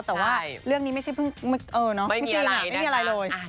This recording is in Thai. แต่ว่าเรื่องนี้ไม่ใช่เพิ่งเออเนอะไม่จริงไม่มีอะไรเลยใช่ค่ะ